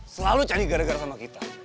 selalu cari gara gara sama kita